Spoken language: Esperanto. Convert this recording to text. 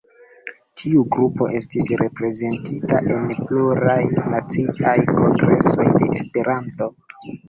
Tiu grupo estis reprezentita en pluraj naciaj kongresoj de Esperanto.